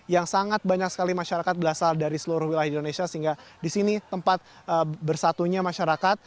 yang sangat banyak sekali masyarakat berasal dari seluruh wilayah di indonesia sehingga di sini tempat bersatunya masyarakat